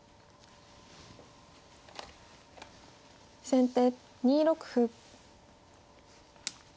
先手２六歩。